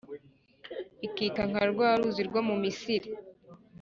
ikika nka rwa ruzi rwo mu misiri.